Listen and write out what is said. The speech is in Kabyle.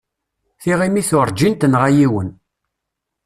Tiɣimit urǧin tenɣa yiwen.